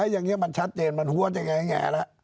อย่างนี้มันชัดเจนมันฮัวเป็นอย่างแง่แหละ